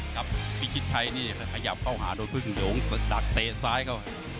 พิชิตชัยนี่ขยับเข้าหาโดนพึ่งหลงดักเตะซ้ายเข้า